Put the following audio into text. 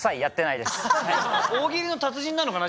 大喜利の達人なのかな？